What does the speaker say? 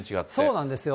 そうなんですよ。